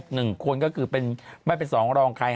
เห็นคนนเขาก็ก็คือเป็นไม่เป็นสองรองรังคาย